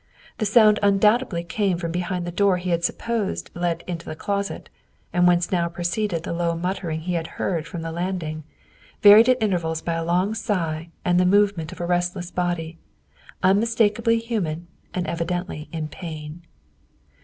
The sound undoubtedly came from behind the door he had supposed led into the closet, and whence now proceeded the low muttering he had heard from the landing, varied at intervals by a long sigh and the movement of a restless body, unmistakably human and evidently in pain.